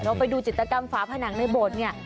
เราไปดูจิตกรรมฝาผนังในโบสถ์เนี่ย